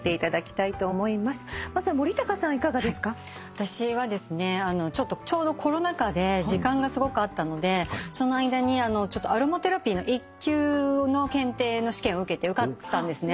私はですねちょうどコロナ禍で時間がすごくあったのでその間にアロマテラピーの１級の検定の試験を受けて受かったんですね。